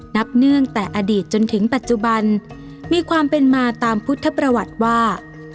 เนื่องแต่อดีตจนถึงปัจจุบันมีความเป็นมาตามพุทธประวัติว่า